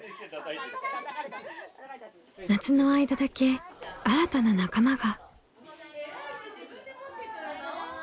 夏の間だけ新たな仲間が。